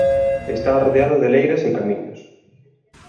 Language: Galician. Está arrodeado de leiras e camiños.